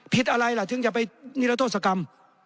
อะไรล่ะถึงจะไปนิรโทษกรรม